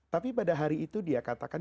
tapi pada hari itu dia katakan